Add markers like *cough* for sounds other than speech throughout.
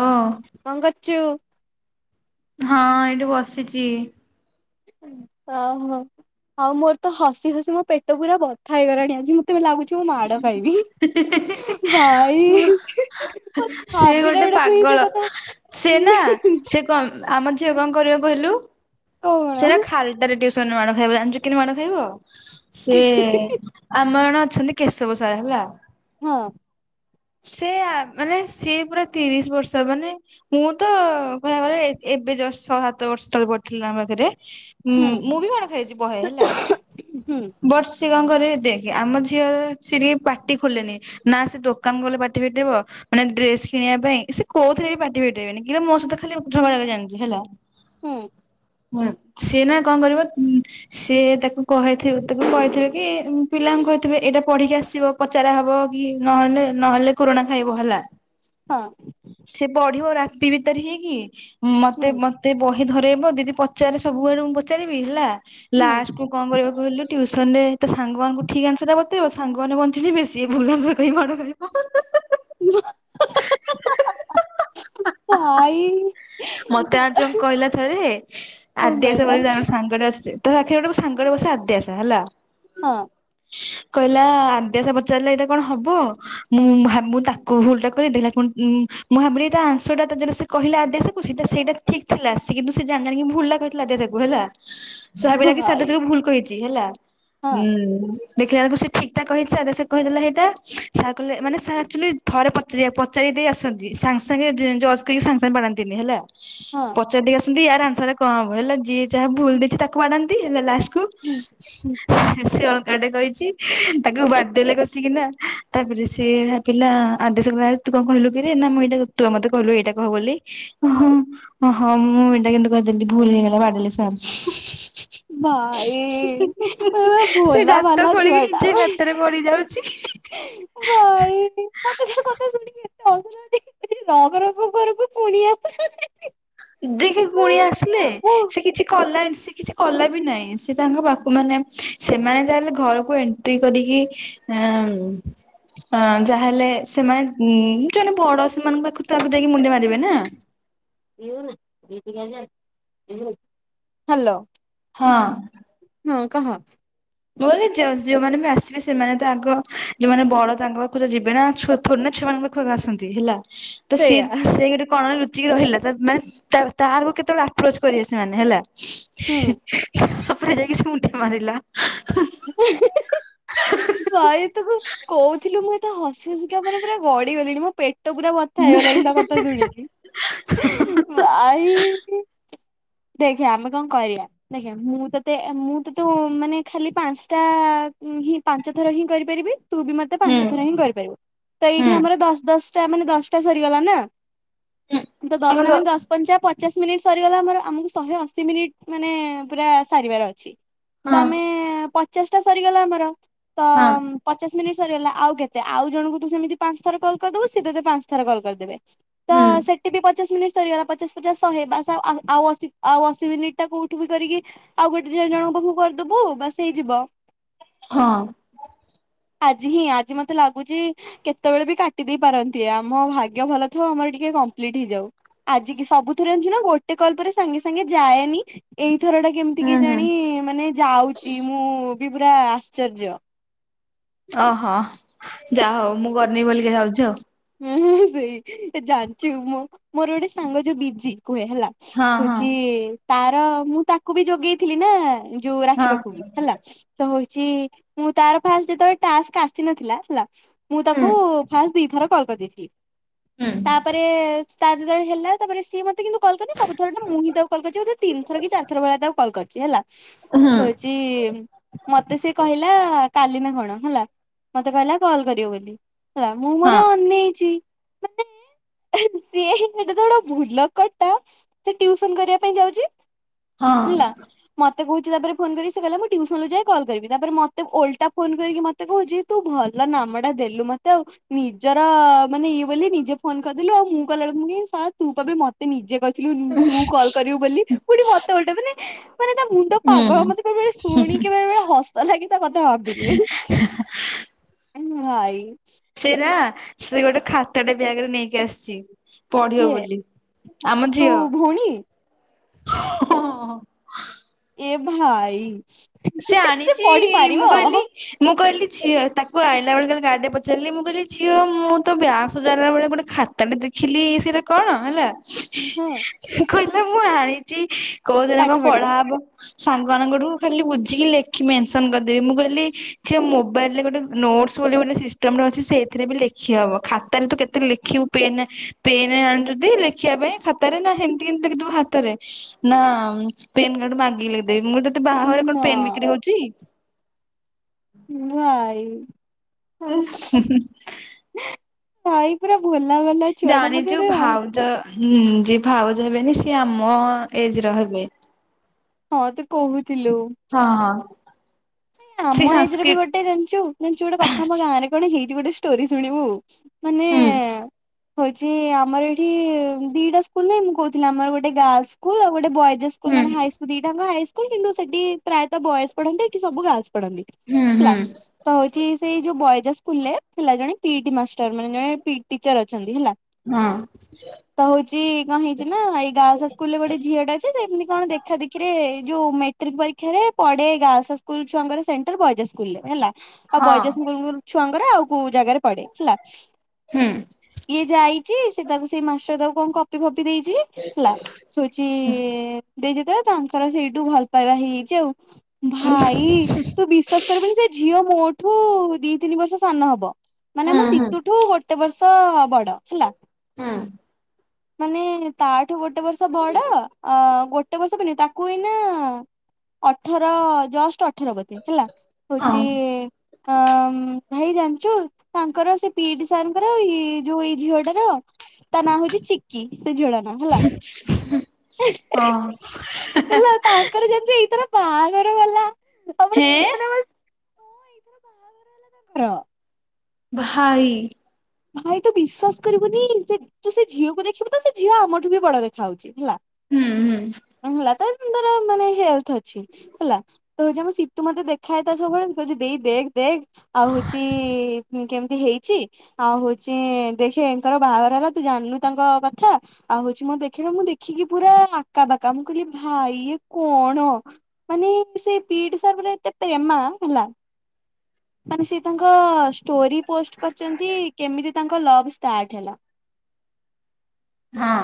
ହଁ। କଁ କରଛୁ। ହଁ ଏଇଠି ବସିଛି। ଅହଁ। ଆଉ ମୋର ତ ହସି ହସି ମୋ ପେଟ ପୁରା ବଥା ହେଇଗଲାଣି ଆଜି ମତେ ଲାଗୁଛି ମୋତେ ମାଡ ଖାଇବି ଭାଇ ହିଁ। ସେ ଭାବିଲା ଗୋଟେ ବେଳକୁ ସେ ପାଗଳ କଥା ସେ ନା ସେ କ ଆମ ଝିଅ କଣ କରିବ କହିଲୁ କଣ ସେଇଟା ଖାଲିଟାରେ ଟିୁସନ ମାଡ଼ *inaudible* ଜାଣିଛୁ କିନି ମାଡ ଖାଇବ ସେ ଆମ ଜଣ ଅଛନ୍ତି କେଶବ ସାର ହେଲା। ହଁ। ସେ ଆ ମାନେ। ସିଏ ପୁରା ତିରିଶ ବର୍ଷ ମାନେ ମୁଁ ତ ମାନେ ମାନେ ଏବେ ଜଷ୍ଟ ଛଅ ସାତ ବର୍ଷ ତଳେ ପଢଡିଥିଲି ତାଙ୍କ ପାଖରେ। ହୁଁ ମୁଁ ବି ମାଡ଼ ଖାଇଛି ବହେ ହେଲା। ହୁଁ ବଟ ସିଏ କଁ କରିବେ ଦେଖ ଆମ ଝିଅ ସେ ଟିକେ ପାଟି ଖୋଲେନି। ନା ସିଏ ଦୋକାନ ଗଲେ ପାଟି ଫିଟେଇବ ମାନେ ଡ୍ରେସ କିଣିବା ପାଇଁ ସେ କୋଉଥିରେ ବି ପାଟି ପଠଟେଇବେନି କିନ୍ତ ମୋ ସହିତ ଖାଲି ଉଠ ଜାଣିଛି ହେଲା। ହୁଁ। ସିଏ ନା କଣ କରିବ। ସିଏ ତାକୁ କହିିଥିବେ କହିଥିବେ କି ପିଲାଙ୍କୁ କହିଥିବେ ଏଇଟା ପଢିକି ଆସିବ। ପଚାରା ହବ କି ନହେଲେ ନହେଲେ କୋରଣା ଖାଇବ ହେଲା। ହଁ। ସେ ପଢିବ ରାତି ଭିତରେ ହେଇକି ହୁଁ ମତେ ମ ମୋତେ ବହି ଧରେଇବ ଦିଦି ପଚାରେ ସବୁବେଳେ ମୁଁ ପଚାରିବି ହେଲା ହୁଁ ଲାସ୍ଟୁକୁ କଣ କରିବ କହିଲୁ ଟ୍ୟୁସନ ରେ ତା ସାଙ୍ଗମାନଙ୍କୁ ଠିକ ଅଂଶର ବତେଇବ ସାଙ୍ଗମାନେ ବଞ୍ଚି ଯିବେ ସିଏ ଭୁଲ୍ ଅଂଶର କହିକି ମାଡ଼ଖାଇବ। *unintelligible* ହ ହ ମତେ କଣ ଅର୍ଜୁନ କହିଲା ଥରେ ଆଦ୍ୟାସା କହିଲା ବୋଲି *unintelligible* ସାଙ୍ଗଟେ ଆସୁଛି ତା ପାଖରେ ଗୋଟେ *unintelligible* ସାଙ୍ଗଟେ ବସେ ଆଦ୍ୟାସା ହେଲା। ହଁ। କହିଲା ଆଦ୍ୟାସ ପଚାରିଲା ଏଇଟା କଣ ହବ ମୁଁ ଭାବୁ ତା କୁ ଭୁଲ୍ ଟା କହିଲି ଦେଖିଲାକୁ ଉଁ ମୁଁ ଭାବିଲି ତା ଆଁସର୍ ଟା ତ ଯୋଉଟା ସେ କହିଲା ଅଦ୍ୟାସା କୁ ସେଟା ସେଇଟା ଠିକ୍ ଥିଲା ସେ କିନ୍ତୁ ସେ ଜାଣି ଜାଣିକି ଭୁଲ୍ ଟା କହିଥିଲା ଆଦ୍ୟାସାକୁ ହେଲା। ସେ ଭାବିଲା କି ସାର୍ଧା ଭାଇ ତାକୁ ଭୁଲ୍ କହିଛି ହେଲା। ହଁ ଦେଖିଲା ଳକୁ ସେ ଠିକ୍ ଟା କହିଚି ଆଦ୍ୟାସା କହିଦେଲା ହେଟା ସାର୍ କହିଲେ ମାନେ ସାର୍ ଆକ୍ଚୁଲି ଥରେ ପଚାରିବା ପଚାରି ଦେଇ ଆସନ୍ତି ସାଙ୍ଗେ ସାଙ୍ଗେ ଜଜ୍ କରିକି ସାଙ୍ଗେ ସାଙ୍ଗେ ବାଡ଼ାନ୍ତିନି ହେଲା। ହଁ। ପଚାରି ଦେଇ ଆସନ୍ତି ଇଆର ଆନ୍ସରରେ କଣ ହବ ହେଲା ଯିଏ ଯାହା ଭୁଲ ଦେଇଛି ତାକୁ ବାଡ଼ାନ୍ତି ହେଲା ଲାଷ୍ଟ୍ ହୁଁ ହୁଁ। ଆଟେ କହିଚି ତାକୁ ବାଡେଇଲେ କସିକିନା ତାପରେ ସେ ଭାବିଲା ଆଦ୍ୟାଶା କହିଲା ତୁ କଣ କହିଲୁ କିରେ ନା ମୁଁ ଏଇଟା ତୁପା ମତେ କହିଲୁ ଏଇଟା କହ ବୋଲି। ଓହୋ ଓହୋ ମୁଁ ଏଇଟା କିନ୍ତୁ କହିଦେଲିି ଭୁଲ୍ ହେଇଗଲା ବାଡ଼େଇଲେ ସାର୍। ଭାଇ ରେ ଅ ସେ ଭୋଲା ଗାତ ଭାଲା ଖୋଳିକି ଛୁଆଟା। ନିଜେ ଗାତରେ ପଡି ଯାଉଛି। ଭାଇ ମତେ ତା କଥା ଶୁଣିକି *unintelligible* ରଖ ରଖ ଘରକୁ କୁଣିଆ ଦେଖେ କୁଣିଆ ଆସିଲେ ସେ କିଛି କଲାନି ସେ କିଛି କଲା ବି ନାଇଁ ସେ ତାଙ୍କ ବାପ ମାନେ ସେମାନେ ଯାହାହେଲେ ଘରକୁ ଏନ୍ ତି କରିକି ଆମ୍ ଆଁ ଯାହାହେଲେ ସେମାନେ ହୁଁ ଜଣେ ବଡ଼ ସେମାନଙ୍କ ପାଖୁ ତ ଆଗ ଯାଇକି ମୁଣ୍ଡିଆ ମାରିବେ ନା। ହାଲୋ। ହଁ। ହଁ କହ। ମୁଁ କଇଲି ଜଜ୍ ଯୋଉମାନେ ବି ଆସିବେ ସେମାନେ ତ ଆଗ ଯୋଉମାନେ ବଡ଼ ତାଙ୍କ ପାଖକୁ ତ ଯିବେନା ଛୁଆ ଥୋରି ନା ଛୁଆମାନଙ୍କ ପା ପାଖକୁ ଆସନ୍ତି ହେଲା ତ ସିଏ ସେଇଆ ସେଇଟୁ କଣ ଲ ଟିକେ ରହିଲା ତା ମାନେ ତା ତାରକୁ କେତେବେଳେ ଆପ୍ରୋଚ୍ କରିବେ ସେମାନେ ହେଲା। ହୁଁ। ଅପରେ ଯାଇକି ସୁନ୍ ଟେ ମାରିଲା। *unintelligible* ହୁଁ ଭାଇ ତୁ କ କୋଉଥିଲୁ ମୁଁ ଏତେ ହସି ହସିକା ମାନେ ପୁରା ଗଡ଼ି ଗଲିଣି ମୋ ପେଟ ପୁରା ବ ଥା ହେଇଗଲାଣି ତୋ କଥା ଶୁଣିକି ଭାଇ ଦେଖେ ଆମେ କଣ କରିବା ଦେଖେ ମୁଁ ତତେ ଏ ମୁଁ ତୁ ତୁ ମାନେ ଖାଲି ପାଁସ୍ ଟା ହିଁ ପାଞ୍ଚ ଥର ହିଁ କରିପାରିବି ତୁ ବି ମତେ ହୁଁ ପାଞ୍ଚ ଥର ହିଁ କରିପାରିବୁ। ତ ହୁଁ ଏଇଠି ଆମର ଦଶ୍ ଦଶଟା ମାନେ ଦଶଟା ସରିଗଲା ନା। ହୁଁ ତ ହଁ ଦଶଟା ହଁ ମାନେ ଦଶ ପଞ୍ଚା ପ ପଚାଶ ମିନିଟ୍ ସରିଗଲା ଆମର ଆମକୁ ଶହେ ଅଶୀ ମିନିଟ୍ ମାନେ ପୁରା ସାରିବାର ଅଛି। ତ ଆମେ ପଚାଶ୍ ଟା ସରିଗଲା ଆମର ତ ପଚାଶ୍ ମିନିଟ୍ ସରିଗଲା ଆଉ କେତେ ଆଉ ଜଣଙ୍କୁ ତୁ ସେମିତି ପାଞ୍ଚ ଥର କଲ୍ କରିଦବୁ ସିଏ ତତେ ପାଞ୍ଚ ଥର କଲ୍ କରିଦେବେ ତ ହୁଁ ସେ ଟି ପଚାଶ୍ ମିନିଟ୍ ସରିଗଲା ପଚାଶ୍ ପଚାଶ୍ ଶହେ ବାସ୍ ଆଉ ଆଉ ଆଉ ଅଶୀ ଆଉ ଅଶୀ ମିନିଟ୍ ଟା କୋଉଠି ବି କରିକି ଆଉ ଗୋଟେ ଜଣ ଜଣଙ୍କ ପାଖକୁ କରିଦବୁ ବାସ୍ ହେଇଯିବ। ହଁ। ଆଜି ହିଁ ଆଜି ମତେ ଲାଗୁଚି କେତେବେଳେ ବି କାଟି ଦେଇ ପାରନ୍ତି ଆମ ଭାଗ୍ୟ ଭଲ ଥାଉ ଆମର ଟିକେ କମ୍ପ୍ଲିଟ୍ ହେଇଯାଉ। ଆଜି କି ସବୁଥିରେ ଜାଣିଚୁ ନା ଗୋଟେ କଲ୍ ପରେ ସାଙ୍ଗେ ସାଙ୍ଗେ ଯାଏନି ଏଇଥର ଟା କେମିତି ହୁଁ ହୁଁ କେଜାଣି ମାନେ ଯାଉଚି ମୁଁ ବି ପୁରା ଆଶ୍ଚର୍ଯ୍ୟ। ଅହ ଯା ହଉ ମୁଁ କରିନି ବୋଲିକି ଯାଉଛି ଆଉ। ଉ ହୁଁ ହୁଁ ସେଇ ଏ ଜାଣିଚୁ ମୋ ମୋର ଗୋଟେ ସାଙ୍ଗ ଯୋଉ ବିଜି କୁହେ ହେଲା ହଁ ହଉଛି ତାର ମୁଁ ତାକୁ ବି ଯୋଗେଇଥିଲି ନା ଯୋଉ ହଁ ରାଖିବାକୁ ବି ହେଲା ତ ହଉଚି ମୁଁ ତାର ଫାଷ୍ଟେ ଯେତେବେଳେ ଟାସ୍କ ଆସିନଥିଲା ହେଲା ମୁଁ ହଁ ତାକୁ ଫାଷ୍ଟ ଦିଥର କଲ କରିଦେଇଥିଲି ହୁଁ ହୁଁ ତାପରେ ତାର ଯେତେବେଳେ ହେଲା ତାପରେ ସେ ମୋତେ କିନ୍ତ କଲ୍ କରିନି ସବୁ ଥରା ଟା ମୁଁ ହିଁ ତାକୁ କଲ୍ କରିଚି ବୋଧେ ତିିନି ଥର କି ଚାରି ଥର ଭଳିଆ ତାକୁ କଲ୍ କରିଚି ହେଲା। ହୁଁ ହଉଚି ମତେ ସେ କହିଲା କାଲିନା କଣ ହେଲା ମତେ କହିଲା କଲ୍ କରିବୁ ବୋଲି ହେଲା ମୁ ପୁରା ହଁ ଅନେଇଚି ମାନେ ସିଏହି ଏତେ ବଡ଼ ଭୁଲକଡଟା ସେ ଟିୟୁସନ୍ କରିବା ପାଇଁ ଯାଉଚି ହଁ ହେଲା। ମତେ କହୁଚି ତାପରେ ଫୋନ୍ କରିକି ସେ କହିଲା ମୁଁ ଟିୟୁସନ୍ ରୁ ଯାଏ କଲ୍ କରିବି ତାପରେ ମତେ ଓଲଟା ଫୋନ୍ କରିକି ମତେ ମତେ କହୁଚି ତୁ ଭଲ ନାମ ଟା ଦେଲୁ ମତେ ଆଉ। ନିଜର ମାନେ ଇଏ ବୋଲି ନିଜେ ଫୋନ କରିଦେଲୁ ଆଉ ମୁଁ କଲାବେଳକୁ ମୁଁ କହିଲି ଏ ଶଳା ତୁ ପାବେ ମତେ ନିଜେ କ ଥିଲ ତୁ କଲ୍ କରିବୁ ବୋଲି ପୁଣି ମତେ ଓଲଟା ମାନେ ମାନେ ତା ମୁଣ୍ଡ ପାଗଳ ହୁଁ ମତେ ବେଳେବେଳେ ଶୁଣକି ବେଳେବେଳେ ହସ ଲାଗେ ତା କଥା ଭାବିଲେ। ଭାଇ ସେରା ସେ ଗୋଟେ ଖାତାଟେ ବ୍ୟାଗରେ ନେଇକି ଆସିଚି। ପଢିବ କିଏ ବୋଲି ଆମ ତୋ ଝିଅ ଭଉଣୀ ଇଏ ଭାଇ ସେ ଆଣିଚି ପଢି ପାରିବ ମୁଁ କହିଲି ହଁ ମୁଁ କହିଲି ଝିଅ ତାକୁ ଆଇଲା ବେଳେ ତାକୁ ଗାଡ଼ିରେ ପଚାରିଲି ମୁଁ କହିଲି ଝିଅ ମୁଁ ତୋ ବ୍ୟାଗ ସଜାରିଲା ବେଳେ ଗୋଟେ ଖା ଖାତା ଟେ ଦେଖିଲି ସେଇଟା କଣ ହେଲା ହଁ କହିଲା ମୁଁ ଆଣିଛି କୋଉଦିନ କଣ ପାଠ ପଢା ପଢିବ ହବ ସାଙ୍ଗମାନଙ୍କଠୁ ଖାଲି ବୁଦ୍ଧି ଖୋଜିକି ଲେଖି ମେନସନ କରିଦେବି ମୁଁ କହିଲି ଝିଅ ମୋବାଇଲ ରେ ଗୋଟେ ନୋଟସ ବୋଲି ଗୋଟେ ସିଷ୍ଟ ଷ୍ଟମ ଟେ ଅଛି ସେଇଥିରେ ବି ଲେଖିହବ ଖାତାରେ ତୁ କେତେ ଲେଖିବୁ ପେନ ପେନ ଆଣିଚୁ ତି ଲେଖିବା ପାଇଁ ଖାତା ହାତରେ ନା ହେମିତି କେମତି ଲେଖିଦେବୁ ହାତରେ ନା ପେନ୍ କାହାଠୁ ମାଗକି ଲେଖିଦେବି ମୁଁ କହିଲି ତତେ ବାହା ମା ପେନ୍ ବିକ୍ରି ହଉଛି ଭାଇ ହେସ ହୁଁ ହୁଁ ଭାଇ ପୁରା ଭୋଲା ବାଲା ଜାଣିଛୁ ଭାଉଜ ହଁ ଯିଏ ଭାଉଜ ହେବେନି ସିଏ ଆମ ଏଜର ହେବେ। ହଁ ତୁ କହୁଥିଲୁ। ହଁ ହଁ ସେ ଆମ ଏଜରେ ବି ସାଂସ୍କ୍ରିଟ ଗୋଟେ ଜାଣିଛୁ ଜାଣିଛୁ ଗୋଟେ କଥା ଆମ ଗାଁରେ କଣ ହେଇଛି ଗୋଟେ ଷ୍ଟୋରି ଶୁଣିବୁ ମାନେ ହୁଁ ହଉଛି ଆମର ଏଠି ଦିଟା ସ୍କୁଲ ନାଇଁ ମୁଁ କହୁଥିଲି ଆମର ଗୋଟେ ଗାର୍ଲ ସ୍କୁଲ ଆଉ ଗୋଟେ ବଏଜ୍ ହାଇ ସ୍କୁ ସ୍କୁଲ ହୁଁ ମାନେ ହାଇ ଦିଟା ହାଇସ୍କୁଲ କିନ୍ତୁ ସେଠି ପ୍ରାୟତଃ ବଏଜ ପଢନ୍ତି ଏଠି ସବୁ ଗାର୍ଲ୍ସ ପଢନ୍ତି। ହୁଁ ହୁଁ ହେଲା ତ ହଉଛି ସେଇ ଯୋଉ ବଏଜ ହାଇ ସ୍କୁଲରେ ଥିଲା ଜଣେ ପିଇଟ ମାଷ୍ଟର୍ ମାନେ ଜଣେ ପିଇଟ ଟିଚର ଅଛନ୍ତି ହେଲା। ହଁ। ତ ହଉଛି କଣ ହେଇଛି ନା ଏଇ ଗାର୍ଲ୍ସ ସ୍କୁଲ ରେ ଗୋଟେ ଝିଅଟେ ଅଛି ସେ ଏମିତି କଣ ଦେଖା ଦେଖିରେ ଯୋଉ ମେ ଟ୍ରିକ ପରୀକ୍ଷାରେ ପଡ଼େ ଗାର୍ଲ୍ସ ହାଇ ସ୍କୁଲ ଛୁଆଙ୍କର ସେଣ୍ଟର ବଏଜ ହାଇ ସ୍କୁଲରେ ହେଲା ଆଉ ହଁ ବଏଜ ହାଇ ସ୍କୁଲ କୁଲ ଛୁଆଙ୍କରେ ଆଉ କୋଉ ଜାଗାରେ ପଡେ ହେଲା। ହୁଁ। ଇଏ ଯାଇଚି ସେ ତାକୁ ସେଇ ମାଷ୍ଟର ତାକୁ କଣ କପି ଫପି ଦେଇଛି ହେଲା। ହଉଚି ଦେଇଚି ଯେତେବେଳେ ତାଙ୍କର ସେଇଠୁ ଭଲପାଇବା ହେଇଯାଇଛି ଆଉ। ଭାଇ ତୁ ବିଶ୍ଵାସ କରିବୁନି ସେ ଝିଅ ମୋଠୁ ଦି ତିନି ବର୍ଷ ସାନ ହବ। ମାନେ ହୁଁ ଆମ ହୁଁ ଶୀତୁଠୁ ଗୋଟେ ବର୍ଷ ବଡ ହେଲା। ହୁଁ। ମାନେ ତାଠୁ ଗୋଟେ ବର୍ଷ ବଡ ଅ ଗୋଟେ ବର୍ଷ ବି ନୁହଁ ତା କୁ ଏନା ଅଠର ଜଷ୍ଟ ଅଠର ବୋଧେ ହେଲା ହଉଚି ହଁ ଅ ଭାଇ ଜାଣିଚୁ ତାଙ୍କର ସେ ପିଇଟି ସାର୍ ଙ୍କର ଏଇ ଯୋଉ ଏଇ ଝିଅଟାର ତା ନାଁ ହଉଚି ଚି କି ସେ ଝିଅ ତା ନାଁ ହଁ। ହେଲା ତାଙ୍କର ଯେମିତି ଏଇଥର ବାହାଘର ଗଲା ହେଁ। ଏଥର ବାହାଘର ହେଲା ତାଙ୍କର ଭାଇ ଭାଇ ତୁ ବିଶ୍ଵାସ କରିବୁନି ଯେ ତୁ ସେ ଝିଅକୁ ଦେଖିବୁ ତ ସେ ଝିଅ ଆମଠୁ ବି ବଡ ଦେଖା ହାଉଉଚି ହେଲା ହୁଁ ହୁଁ। ହେଲା ତ ସୁନ୍ଦର ମାନେ ହେଲଥ ଅଛି ହେଲା ତ ହୋଉଚି ଆମ ସୀତୁ ମତେ ଦେଖା ହେଇତା ସବୁବେଳେ କହୁଚି ଦେଇ ଦେଖ ଦେଖ ଆଉ ହଉଚି କେମିତି ହେଇଚି ଆଉ ହଉଚି ଦେଖେ ୟାଙ୍କର ବାହାଘର ହେଲା ତୁ ଜାଣିନୁ ତାଙ୍କ କଥା ଆଉ ହଉଚି ମୋ ଦେଖିଲା ମୁଁ ଦେଖିକି ପୁରା ଆକା ବାକା ମୁଁ କହିଲି ଭାଇ ଇଏ କଣ? ମାନେ ସେ ପିଟି ସାରେ ପୁରା ଏତେ ପ୍ରେମା ହେଲା ମାନେ ସେ ତାଙ୍କ ଷ୍ଟୋରି ପୋଷ୍ଟ କରିଚନ୍ତି କେମିତି ତାଙ୍କ ଲଭ ଷ୍ଟାର୍ଟ ହେଲା ହଁ।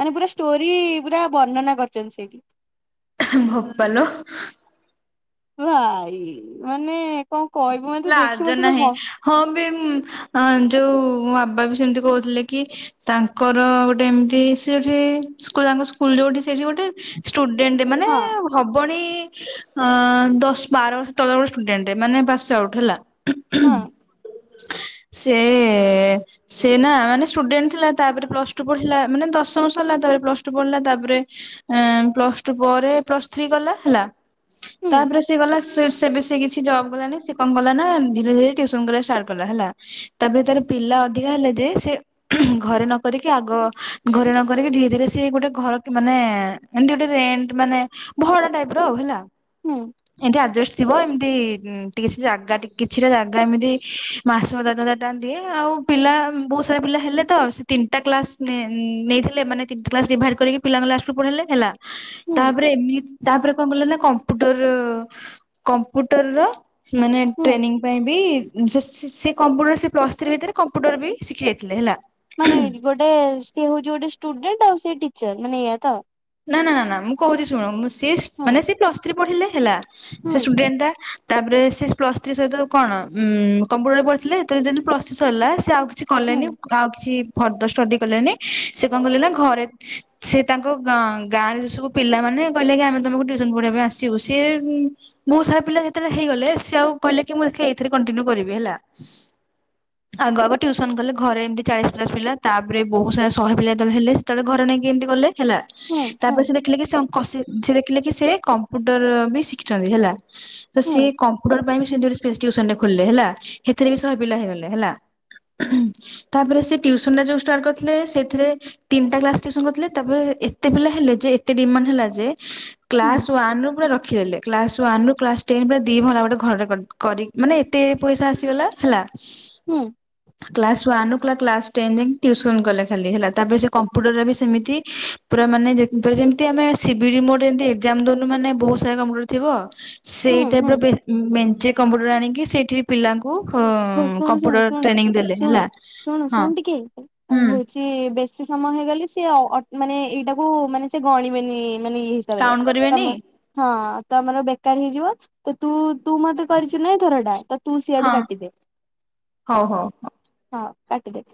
ମାନେ ପୁରା ଷ୍ଟୋରି ପୁରା ବର୍ଣ୍ଣନା କରିଚନ୍ତି ସେଇଠି। ବୋପଲୋ ଭାଇ ମାନେ କଣ କହିବୁ ମାନେ ତୁ ଦେଖି ଲାଜ ମାନେ ତୁ ତ ନାହିଁ ହ ହଁ ବେ ମଁ ଆଁ ଯୋଉ ମୋ ବାବା ବି ସେମିତି କହୁଥିଲେ କି? ତାଙ୍କର ଗୋଟେ ଏମିତି ସେ ଯୋଉଠି ସ୍କୁଲ ତାଙ୍କ ସ୍କୁଲ ଯୋଉଠି ସେଇଠି ଗୋଟେ ଷ୍ଟୁଡେଣ୍ଟ ମାନ ହଁ। କୁ ହବଣି ଅଁ ଦଶ ବାର ବର୍ଷ ତଳେ ଗୋଟେ ଷ୍ଟୁଡେଣ୍ଟଟେ ମାନେ ପାସଆଉଟ୍ ହେଲା ହଁ। ସେ ସେ ନା ମାନେ ଷ୍ଟୁଡେଣ୍ଟ ଥିଲା ତାପରେ ପ୍ଲସ ଟୁ ପଢ଼ିଲା ମାନେ ଦଶମ ସରିଲା ତା ପରେ ପ୍ଲସ ଟୁ ପଢ଼ିଲା ତା ପରେ ଅଁ ପ୍ଲସ ଟୁ ପରେ ପ୍ଲସ ଥ୍ରୀ ଗଲା ହେଲା ହୁଁ ତାପରେ ସିଏ ଗଲା ଶର ସିଏ ବି କିଛି ଜବ୍ କଲାନି ସି କଣ କଲା ନା ଧୀରେ ଧୀରେ ଟିଉସନ୍ କରିବା ଷ୍ଟାର୍ଟ କଲା ହେଲା ତାପରେ ତାର ପିଲା ଅଧିକା ହେଲା ଯେ ସେ ଘରେ ନ କରିକି ଆଗ ଘରେ ନ କରିକି ଧୀରେ ଧୀରେ ସିଏ ଗୋଟେ ଘର କି ମାନେ ଏମତି ଗୋଟେ ରେଣ୍ଟ ମାନେ ଭଡା ଟାଇପ ର ଆଉ ହେଲା ହୁଁ ଏମତି ଆଡଜଷ୍ଟ ଥିବ ଏମିତି ଉଁ ଟି କିଛି ଜାଗା ଟି କିଛିଟା ଜାଗା ଏମିତି ମାସକୁ ହଜାରେ ଟଙ୍କା ଦିଏ ଆଉ ପିଲା ବହୁତ ସାରା ପିଲା ହେଲେ ତ ସେ ତିନିଟା କ୍ଲାସ ନେ ନେଇଥିଲେ ମାନେ ତିନିଟା କ୍ଲାସ ଡିଭାଇଡ୍ କରିକି ପିଲାଙ୍କୁ ଲାଷ୍ଟ ରେ ପଢ଼େଇଲେ ହେଲା ହୁଁ ତାପରେ ଏମି ତାପରେ କଣ କଲେନା କମ୍ପ୍ୟୁଟର କମ୍ପ୍ୟୁଟରର ସେ ମାନେ ହୁଁ ଟ୍ରେନିଂ ଥି ପାଇଁ ବି ସେ ସେ ସିଏ କମ୍ପୁଟର ସେ ପ୍ଲସ୍ ଥ୍ରୀ ଭିତରେ କମ୍ପୁଟର ବି ଶିଖି ଯାଇଥିଲେ ହେଲା ମାନେ ଗୋଟେ ସେଏ ହଉଚି ଗୋଟେ ଷ୍ଟୁଡେଣ୍ଟ ଆଉ ସେ ଟିଚର ମାନେ ଇଆ ତ? ନା ନା ନା ନା ମୁଁ କହୁଛି ଶୁଣ ସିଏ ହଁ ମାନେ ସିଏ ପ୍ଲସ ଥ୍ରି ପଢିଲେ ହେଲା ସେ ହୁଁ ଷ୍ଟୁଡେଣ୍ଟ୍ ଟା ତାପରେ ସେ ପ୍ଲସ ଥ୍ରୀ ସହିତ କଣ ଉ କମ୍ପ୍ୟୁଟରରେ ପଢିଥିଲେ ତ ଯି ପ୍ଲସ୍ ଥ୍ରୀ ସରିଲା ସେ ଆଉ କିଛି ହୁଁ କଲେନି ଆଉ କିଛି ଫର୍ଦର ଷ୍ଟଡି କଲେନି ସେ କଣ କଲେ ନା ଘରେ ସେ ତାଙ୍କ ଗଁ ଗାଁରେ ଜୋ ସବୁ ପିଲାମାନେ କହିଲେ କି ଆମେ ତମକୁ ଟୁୟୁସନ ପଢିବା ପାଇଁ ଆସିବୁ ସିଏ ବହୁ ସାର୍ ପିଲା ଯେତେବେଳେ ହେଇଗଲେ ସେ ଆଉ କହିଲେ କି ମୁଁ ଦେଖିବା ଏଇଥିରେ କଣ୍ଟିନ୍ୟୁ କରିବି ହେଲା ଆଗ ଆଗ ଟ୍ୟୁସନ କଲେ ଘରେ ଏମିତି ଚାଳିଶ ପ୍ସ ପିଲ ଆଗ ଆଗ ଟିଉସନ କଲେ ଘରେ ଏମିତି ଚାଲିସ ପଚାଶ ପିଲା ଟା ପରେ ବହୁତ ସାରା ଶହେ ପିଲା ଯେତେବେଳେ ହେଲେ ସେତେବେଳେ ଘର ନେଇକି ଏମିତି କଲେ ହେଲା ହୁଁ ହୁଁ ତାପରେ ସେ ଦେଖିଲେ କି ସେ ଆଙ୍କ କଷି ସେ ଦେଖିଲେ କି ସେ କମ୍ପ୍ୟୁଟର ବି ଶିଖିଚନ୍ତି ହେଲା ତ ହୁଁ ସିଏ କମ୍ପ୍ୟୁଟର ପାଇଁ ବି ସେମିତି ଗୋଟେ ଟିଉସନ୍ ଖୋଲିଲେ ହେଲା। ସେଥିରେ ବି ଶହେ ପିଲା ହେଇଗଲେ ହେଲା। ତାପରେ ସେ ଟିଉସନ୍ ଟା ଯୋଉ ଷ୍ଟାର୍ଟ କରିଥିଲେ ସେଥିରେ ତିନିଟା କ୍ଲାସ ଟିଉସନ୍ କରୁଥିଲେ। ତାପରେ ଏତେ ପିଲା ହେଲେ ଯେ ଏତେ ଡିମାଣ୍ଡ ହେଲା ଯେ ହୁଁ କ୍ଲାସ ୱାନ ରୁ ପୁରା ରଖିଦେଲେ। କ୍ଲାସ ୱାନ ରୁ କ୍ଲାସ ଟେନ୍ ପୁରା ଦି ମହଲା ଗୋଟେ ଘରଟେ କରି କରିକି ମାନେ ଏତେ ପଇସା ଆସିଗଲା ହେଲା। *inaudible* ହୁଁ। କ୍ଲାସ ୱାନ ରୁ କ୍ଲାସ ଟେନ୍ ଯାକେ ଟିୟୁସନ୍ କଲେ ଖାଲି ହେଲା। ତାପରେ ସେ କମ୍ପ୍ୟୁଟର ରେ ବି ସେମିତି ପୁରା ମାନେ ଯେମିତି ଆମେ ଶିବିଟି ମୁଡ୍ ପୁରା ଏଜ୍ଜାମ୍ ଦଉନୁ ମାନେ ବହୁତ୍ ସାରା କମ୍ପୁଟର ଥିବ ସେଇ ହୁଁ ହୁଁ ଟାଇପର ମେଞ୍ଚେ କମ୍ପ୍ୟୁଟର ଆଣିକି ସେଇଠି ପିଲାଙ୍କୁ ଙ୍କୁ ହଉ ଶୁଣୁ କମ୍ପ୍ୟୁଟର ଶୁଣୁ ଶୁଣୁ ଟ୍ରେନିଙ୍ଗ ଦେଲେ ଶୁଣୁ ହେଲା। ହଁ ହୁଁ। ଚି ବେଶୀ ସମୟ ହେଇଗଲେ ସିଏ ମାନେ ଏଇଟାକୁ ମାନେ ସିଏ ଗଣିବେନି ମାନେ କାଉଣ୍ଟ *unintelligible* କରିବେନି ତମେ ହଁ ତ ଆମର ବେକାର ହେଇଯିବ। ତ ତୁ ତୁ ମତେ କରିଚୁ ନା ଏଇ ଥରଟା। ତ ତୁ ହଁ ସିଆଡୁ କାଟିଦେ ହଉ ହଉ ହଉ। ହଁ, କାଟିଦେ।